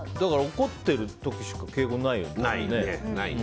怒ってる時しか敬語にならないよね。